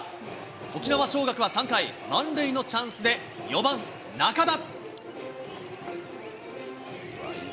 沖縄尚学は３回、満塁のチャンスで４番仲田。